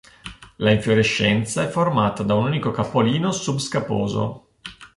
La infiorescenza è formata da un unico capolino subscaposo.